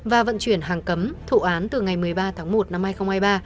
và vận chuyển hàng cấm thụ án từ ngày một mươi ba tháng một năm hai nghìn hai mươi ba